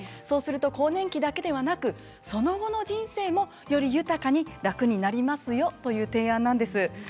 そうすると更年期だけではなくその後の人生も、より豊かに楽になりますよという提案なんです。